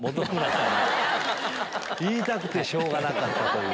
言いたくてしょうがなかった。